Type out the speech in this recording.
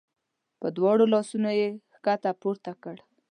په دواړو لاسونو یې ښکته پورته کړ.